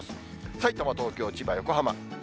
さいたま、東京、千葉、横浜。